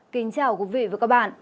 kính chào quý vị và các bạn